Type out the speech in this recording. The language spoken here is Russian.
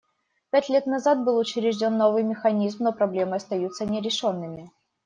Пять лет назад был учрежден новый механизм, но проблемы остаются нерешенными.